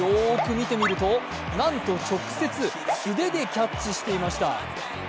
見てみるとなんと直接、素手でキャッチしていました。